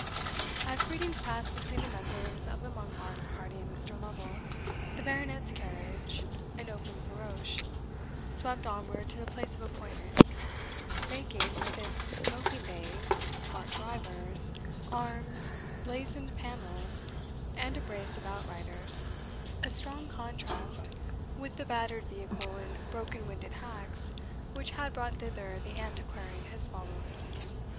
As greetings passed between the members of the Monkbarns party and Mr. Lovel, the Baronet's carriage, an open barouche, swept onward to the place of appointment, making, with its smoking bays, smart drivers, arms, blazoned panels, and a brace of outriders, a strong contrast with the battered vehicle and broken winded hacks which had brought thither the Antiquary and his followers.